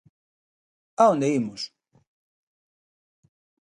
A onde imos?